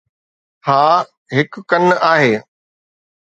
ها، هڪ ڪن آهي